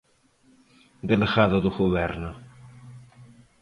Delegado do Goberno.